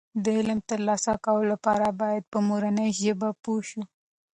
د علم د ترلاسه کولو لپاره باید په مورنۍ ژبه پوه شو.